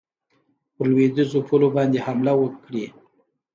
پر لوېدیخو پولو باندي حمله وکړي.